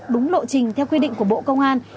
đúng lộ trình theo quy định của bộ công an